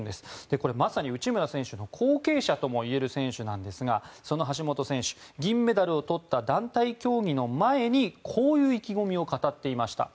これ、まさに内村選手の後継者ともいえる選手ですがその橋本選手、銀メダルを取った団体競技の前にこういう意気込みを語っていました。